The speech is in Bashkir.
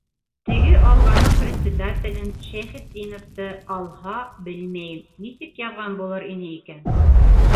Теге «Алға»ның председателен, Шәйхетдиновты, алһа, белмәйем, нисек яҙған булыр ине икән.